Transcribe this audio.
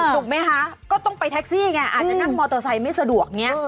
ถูกไหมคะก็ต้องไปแท็กซี่ไงอาจจะนั่งมอเตอร์ไซค์ไม่สะดวกอย่างนี้